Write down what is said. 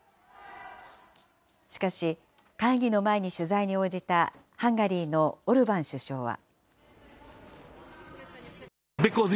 しかし、会議の前に取材に応じたハンガリーのオルバン首相は。